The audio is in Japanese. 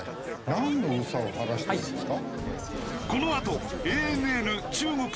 なんの憂さを晴らしてるんですか？